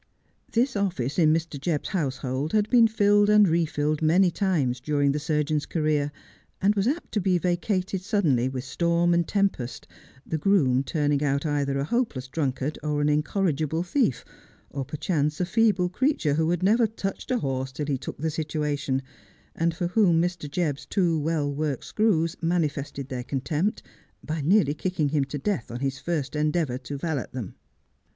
This office in Mr. Jebb's household had been filled and refilled many times during the surgeon's career, and was apt to be vacated suddenly with storm and tempest, the groom turning out either a hopeless drunkard or an incorrigible thief, or perchance a feeble creature who had never touched a horse till he took the situation, and for whom Mr. Jebb's two well worked screws manifested their contempt by nearly kicking him to death on his first en deavour to valet them.